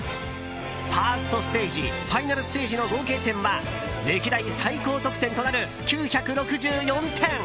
ファーストステージファイナルステージの合計点は歴代史上最高得点となる９６４点。